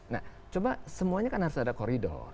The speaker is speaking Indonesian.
nah coba semuanya kan harus ada koridor